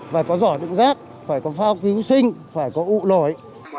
phải có giỏ đựng rác phải có phao cứu sinh phải có ụ lội